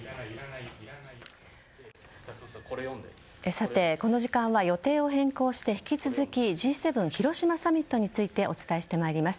さて、この時間は予定を変更して引き続きＧ７広島サミットについてお伝えしてまいります。